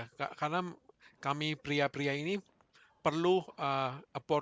jadi menurut saya ketiga anak e who ya selalu ke anak